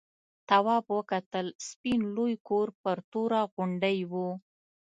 تواب وکتل سپین لوی کور پر توره غونډۍ و.